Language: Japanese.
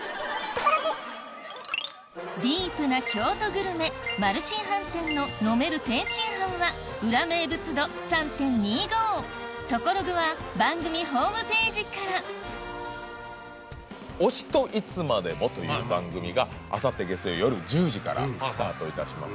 ディープな京都グルメマルシン飯店の飲める天津飯はトコログは番組ホームページから『推しといつまでも』という番組があさって月曜夜１０時からスタートいたします。